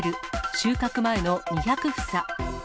収穫前の２００房。